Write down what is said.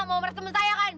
mau bersama saya kan